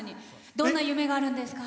どんな夢があるんですか？